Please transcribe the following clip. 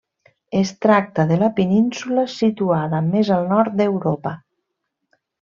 Es tracta de la península situada més al nord d'Europa.